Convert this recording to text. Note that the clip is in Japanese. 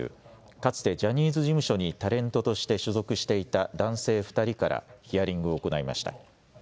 かつてジャニーズ事務所にタレントとして所属していた男性２人からヒアリングを行いました。